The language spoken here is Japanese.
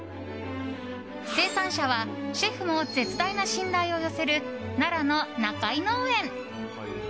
生産者はシェフも絶大な信頼を寄せる奈良の中井農園。